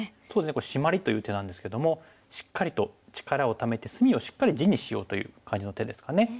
これシマリという手なんですけどもしっかりと力をためて隅をしっかり地にしようという感じの手ですかね。